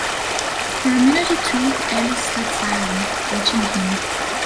For a minute or two Alice stood silent, watching him.